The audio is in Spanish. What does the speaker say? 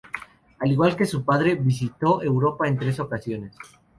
Al igual que su padre, visitó Europa en tres ocasiones.